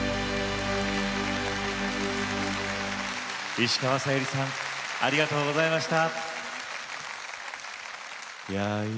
石川さゆりさんありがとうございました。